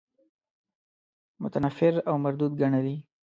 متنفر او مردود ګڼلی.